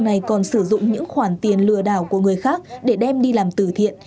này còn sử dụng những khoản tiền lừa đảo của người khác để đem đi làm tử thiện